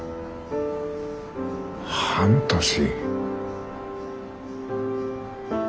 半年。